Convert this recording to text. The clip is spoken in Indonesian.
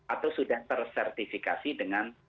atau sudah tersertifikasi dengan